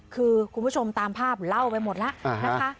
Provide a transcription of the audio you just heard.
คือคุณผู้ชมตามภาพเล่าไปหมดแล้วนะคะ